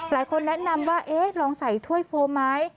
หลายคนแนะนำว่าเอ๊ะลองใส่ถ้วยโฟมไหม